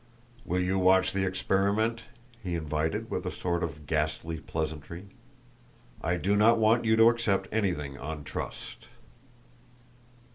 "Will you watch the experiment?" he invited, with a sort of ghastly pleasantry. "I do not want you to accept anything on trust."